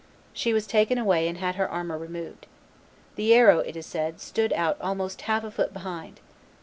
She was taken away and had her armor removed. The arrow, it is said, stood out almost half a foot behind.